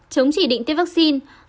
chống chỉ định tiêm vaccine